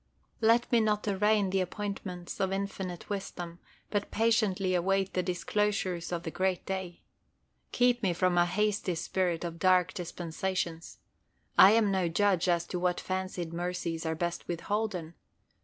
Let me not arraign the appointments of Infinite wisdom, but patiently await the disclosures of the great day. Keep me from a hasty spirit under dark dispensations. I am no judge as to what fancied mercies are best withholden.